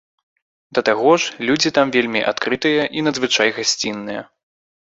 Да таго ж, людзі там вельмі адкрытыя і надзвычай гасцінныя.